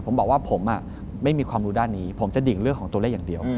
ผมบอกว่าผมไม่มีความรู้ด้านนี้ผมจะดิ่งเรื่องของตัวเลขอย่างเดียว